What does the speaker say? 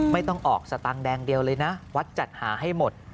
ไม่ต้องออกสตางค์แดงเดียวเลยนะวัดจัดหาให้หมด